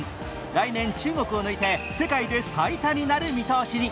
来年、中国を抜いて世界で最多になる見通しに。